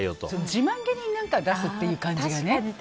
自慢げに出すっていう感じがね。